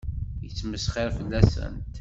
Yettmesxiṛ fell-asent.